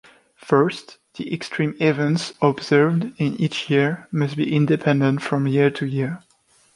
First, the extreme events observed in each year must be independent from year-to-year.